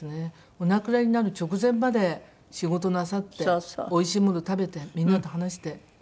お亡くなりになる直前まで仕事なさっておいしいもの食べてみんなと話して。